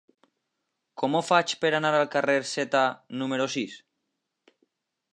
Com ho faig per anar al carrer Zeta número sis?